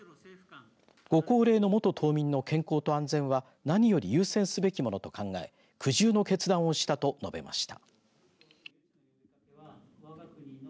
ご高齢の元島民の健康と安全は何より優先すべきものと考え苦渋の決断をしたと述べました。